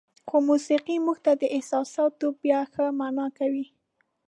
خو موسیقي موږ ته دا احساسات بیا ښه معنا کوي.